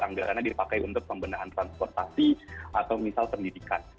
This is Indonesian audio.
maka itu yang kita pakai untuk pembinaan transportasi atau misal pendidikan